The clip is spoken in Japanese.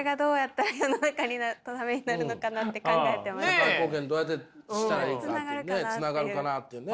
社会貢献どうやってしたらいいかってねつながるかなっていうね。